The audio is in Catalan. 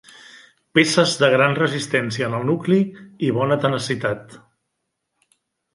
Peces de gran resistència en el nucli i bona tenacitat.